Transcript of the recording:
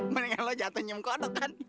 mendingan lo jatoh nyium kodok kan